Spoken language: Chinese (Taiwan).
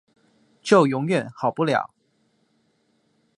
就永遠好不了